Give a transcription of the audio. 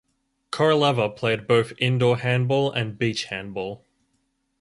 Koroleva played both indoor handball and beach handball.